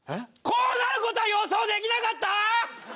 こうなる事は予想できなかった！？